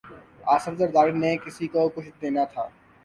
آصف زرداری نے کسی کو کچھ دینا تھا۔